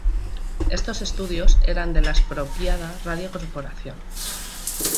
Estos estudios eran de la expropiada Radio Corporación.